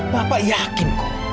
bapak yakin kok